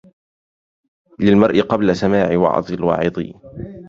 للمرء قبل سماع وعظ الواعظ